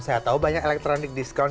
saya tahu banyak elektronik diskon